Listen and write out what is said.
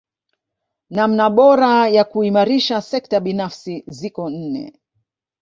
Namna bora ya kuimarisha sekta binafsi ziko nne